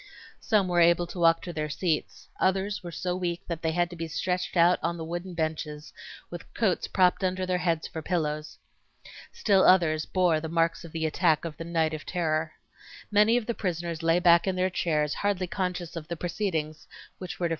Some were able to walk to their seats; others were so weak that they had to be stretched out 6n the wooden benches with coats propped under their heads for pillows. Still others bore the marks of the attack of the "night of terror." Many of the prisoners lay back in their chairs hardly conscious of the proceedings which were to.